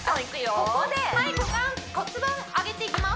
ここではい骨盤上げていきます